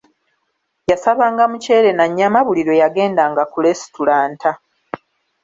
Yasabanga muceere na nnyama buli lwe yagendanga ku lesitulanta.